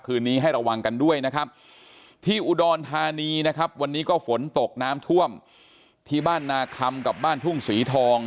คืนนี้ให้ระวังกันด้วยนะครับที่อุดรธานีนะครับวันนี้ก็ฝนตกน้ำท่วมที่บ้านนาคำกับบ้านทุ่งศรีทอง